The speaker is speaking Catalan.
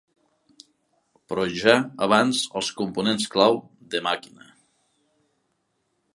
Però ja abans els components clau de Màquina!